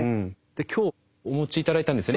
今日お持ち頂いたんですよね。